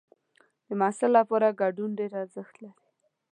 د محصل لپاره ګډون ډېر ارزښت لري.